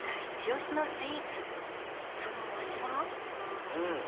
イチオシのスイーツそのお味は？